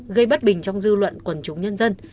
gây bất bình trong dư luận quần chúng nhân dân